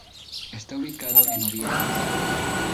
Está ubicado en Oviedo.